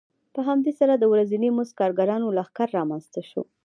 په همدې سره د ورځني مزد کارګرانو لښکر رامنځته شو